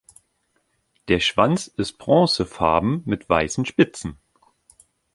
Der Schwanz ist bronzefarben mit weißen Spitzen.